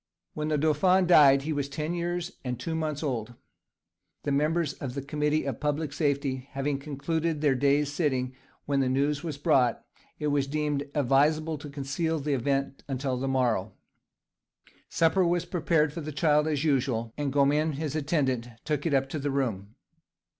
When the dauphin died he was ten years and two months old. The members of the Committee of Public Safety having concluded their day's sitting when the news was brought, it was deemed advisable to conceal the event until the morrow. Supper was prepared for the child as usual, and Gomin, his attendant, took it up to the room.